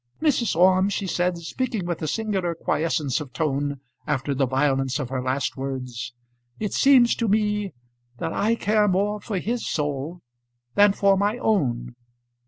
"Mrs. Orme," she said, speaking with a singular quiescence of tone after the violence of her last words, "it seems to me that I care more for his soul than for my own.